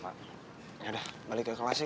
yaudah balik ke kelas yuk